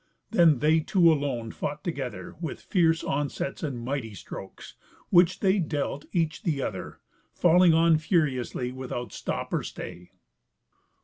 Then they two alone fought together with fierce onsets and mighty strokes, which they dealt each the other, falling on furiously without stop or stay.